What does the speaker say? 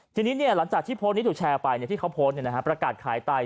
ทีนี้หลังจากที่โพสต์นี้ถูกแชร์ไปที่เขาโพสต์ประกาศขายไต